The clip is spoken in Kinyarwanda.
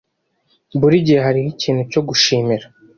buri gihe hariho ikintu cyo gushimira